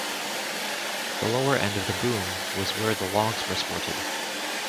The lower end of the boom was where the logs were sorted.